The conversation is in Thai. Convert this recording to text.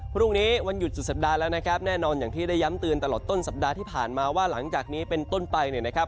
พรุ่งนี้วันหยุดสุดสัปดาห์แล้วนะครับแน่นอนอย่างที่ได้ย้ำเตือนตลอดต้นสัปดาห์ที่ผ่านมาว่าหลังจากนี้เป็นต้นไปเนี่ยนะครับ